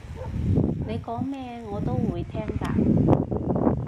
你講咩我都會聽㗎